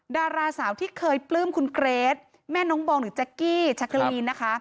ดาราสาวที่เคยปลื้มคุณเกรทแม่น้องบองหรือแจ๊กกี้จักรีนนะคะ